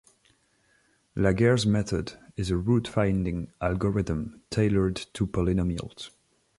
Laguerre's method is a root-finding algorithm tailored to polynomials.